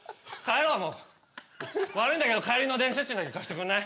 悪いんだけど帰りの電車賃だけ貸してくんない？